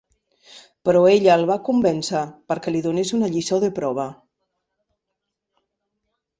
Però ella el va convèncer perquè li donés una lliçó de prova.